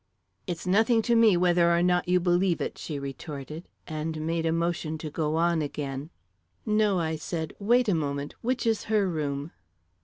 "It's nothing to me whether or not you believe it!" she retorted and made a motion to go on again. "No," I said; "wait a moment. Which is her room?"